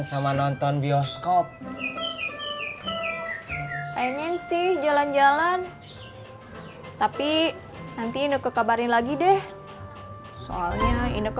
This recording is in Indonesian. sama nonton bioskop pengen sih jalan jalan tapi nanti indoko kabarin lagi deh soalnya induk